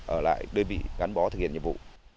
ở lại đối vị cán bộ thực hiện nhiệm vụ